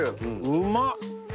うまっ！